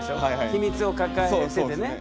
秘密を抱えててね。